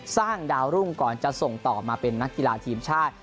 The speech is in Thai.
สร้างดาวรุ่งก่อนจะส่งต่อมาเป็นนักกีฬาทีมชาติ